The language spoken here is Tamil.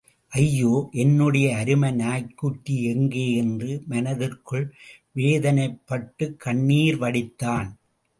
ஐயோ, என்னுடைய அருமை நாய்க்குட்டி எங்கே...? என்று மனத்திற்குள் வேதனைப்பட்டுக் கண்ணீர் வடித்தான்.